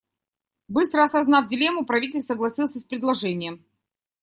Быстро осознав дилемму, правитель согласился с предложением.